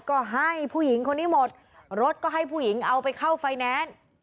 ก็ให้ผู้หญิงคนนี้หมดรถก็ให้ผู้หญิงเอาไปเข้าไฟแนนซ์